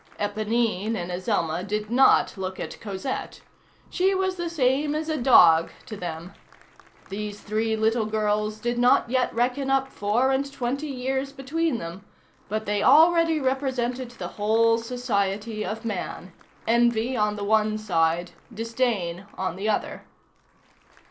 Éponine and Azelma did not look at Cosette. She was the same as a dog to them. These three little girls did not yet reckon up four and twenty years between them, but they already represented the whole society of man; envy on the one side, disdain on the other.